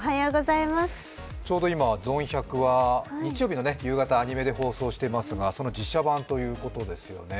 ちょうど今、「ゾン１００」は日曜日の夕方、アニメで放送していますが、その実写版ということですよね。